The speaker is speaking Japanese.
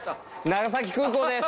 長崎空港です。